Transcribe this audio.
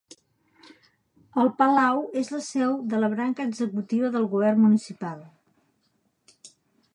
El Palau és la seu de la branca executiva del govern municipal.